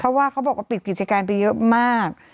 เพราะว่าเขาบอกว่าปิดกิจการไปเยอะมาก